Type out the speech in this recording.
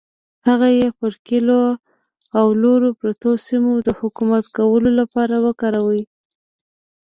هغه یې پر کلیو او لرو پرتو سیمو د حکومت کولو لپاره وکارول.